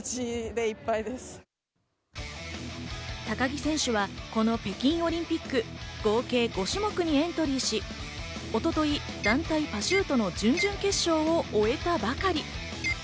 高木選手はこの北京オリンピック、合計５種目にエントリーし、一昨日、団体パシュートの準々決勝を終えたばかり。